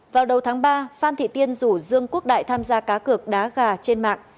vào đầu tháng ba phan thị tiên rủ dương quốc đại tham gia cá cược đá gà trên mạng